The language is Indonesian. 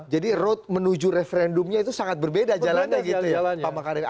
jadi road menuju referendumnya itu sangat berbeda jalannya gitu ya pak makarim